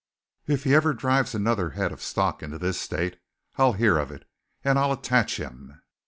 "If he ever drives another head of stock into this state I'll hear of it, and I'll attach him.